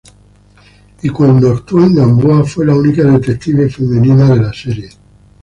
Y cuando actuó en "Gamboa", fue la única detective femenina de la serie.